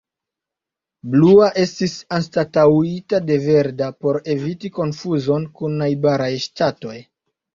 Blua estis anstataŭita de verda por eviti konfuzon kun najbaraj ŝtatoj.